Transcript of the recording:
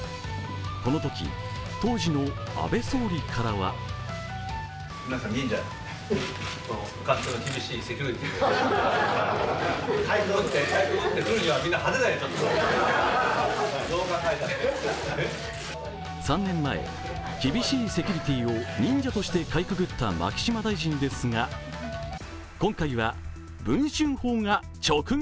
このとき、当時の安倍総理からは３年前、厳しいセキュリティーを忍者としてかいくぐった牧島大臣ですが、今回は文春砲が直撃。